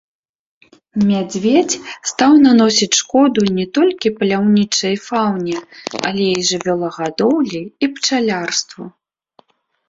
Мядзведзь стаў наносіць шкоду не толькі паляўнічай фауне, але і жывёлагадоўлі, і пчалярству.